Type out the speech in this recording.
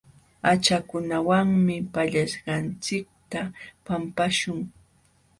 Haćhakunawanmi pallaśhqanchikta pampaśhun.